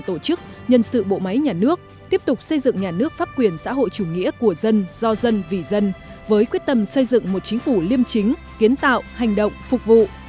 tổ chức nhân sự bộ máy nhà nước tiếp tục xây dựng nhà nước pháp quyền xã hội chủ nghĩa của dân do dân vì dân với quyết tâm xây dựng một chính phủ liêm chính kiến tạo hành động phục vụ